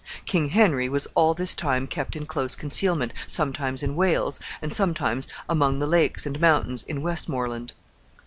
King Henry was all this time kept in close concealment, sometimes in Wales, and sometimes among the lakes and mountains in Westmoreland.